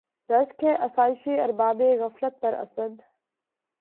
رشک ہے آسایشِ اربابِ غفلت پر اسد!